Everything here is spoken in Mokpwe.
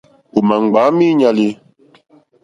Ò ma ŋgba miinyali?